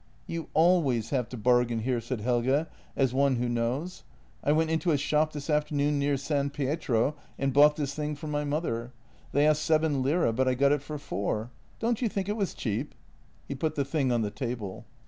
" You always have to bargain here," said Helge, as one who knows. " I went into a shop this afternoon near St. Pietro and bought this thing for my mother. They asked seven lire, but I got it for four. Don't you think it was cheap ?" He put the thing on the table.